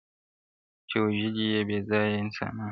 چي وژلي یې بېځایه انسانان وه،